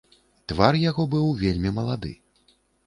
Твар яго быў вельмі малады.